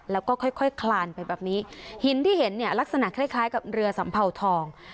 แล้วก็ค่อยค่อยคลานไปแบบนี้หินที่เห็นเนี่ยลักษณะคล้ายคล้ายกับเรือสัมเภาทอง